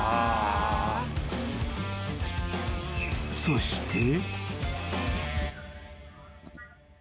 ［そして］